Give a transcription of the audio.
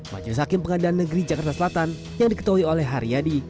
majelis hakim pengadilan negeri jakarta selatan yang diketahui oleh haryadi